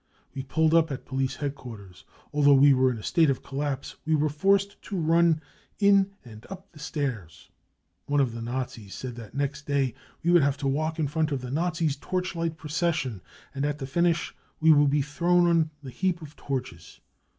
We pulled up at police headquarters. Although we were in a state of collapse we were forced to run in and up the stairs. ... One of the Nazis said that next day we would have to walk in front of the Nazis 5 torchlight procession and at the finish we would be thrown on to the heap of torches.